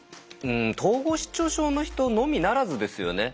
統合失調症の人のみならずですよね。